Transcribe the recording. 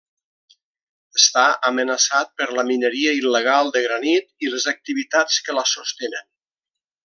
Està amenaçat per la mineria il·legal de granit i les activitats que la sostenen.